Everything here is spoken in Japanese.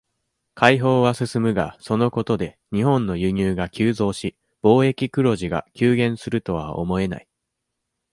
開放は進むが、そのことで、日本の輸入が急増し、貿易黒字が急減するとは思えない。